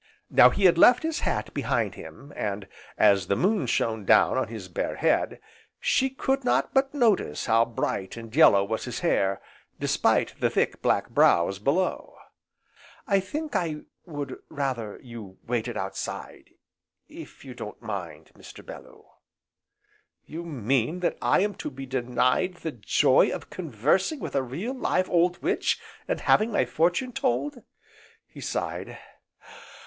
Now he had left his hat behind him, and, as the moon shone down on his bare head, she could not but notice how bright, and yellow was his hair, despite the thick, black brows below. "I think I would rather you waited outside, if you don't mind, Mr. Bellew." "You mean that I am to be denied the joy of conversing with a real, live, old witch, and having my fortune told?" he sighed.